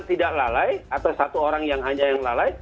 tidak lelahi atau satu orang yang hanya lelahi